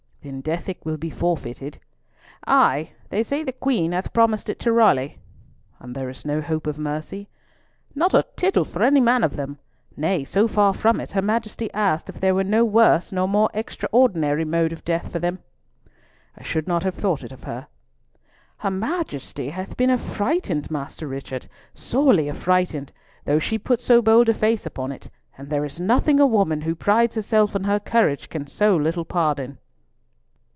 "Then Dethick will be forfeited?" "Ay. They say the Queen hath promised it to Raleigh." "And there is no hope of mercy?" "Not a tittle for any man of them! Nay, so far from it, her Majesty asked if there were no worse nor more extraordinary mode of death for them." "I should not have thought it of her." "Her Majesty hath been affrighted, Master Richard, sorely affrighted, though she put so bold a face upon it, and there is nothing a woman, who prides herself on her courage, can so little pardon."